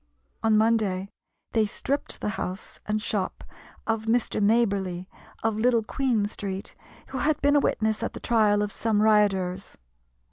On Monday they stripped the house and shop of Mr. Maberly, of Little Queen Street, who had been a witness at the trial of some rioters.